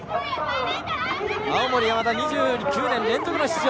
青森山田、２９年連続出場。